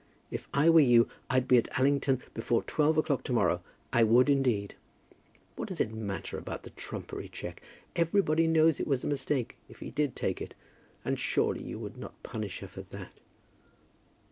If I were you, I'd be at Allington before twelve o'clock to morrow, I would indeed. What does it matter about the trumpery cheque? Everybody knows it was a mistake, if he did take it. And surely you would not punish her for that."